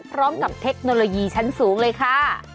พร้อมกับเทคโนโลยีชั้นสูงเลยค่ะ